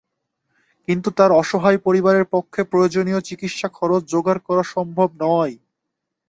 কিন্তু তাঁর অসহায় পরিবারের পক্ষে প্রয়োজনীয় চিকিৎসা খরচ জোগাড় করা সম্ভব নয়।